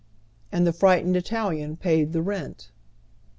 And the frightened Italian paid the rent.